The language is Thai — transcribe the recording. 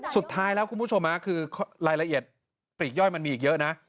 สุดท้ายแล้วคุณผู้ชมคือรายละเอียดปลีกย่อยมันมีอีกเยอะนะ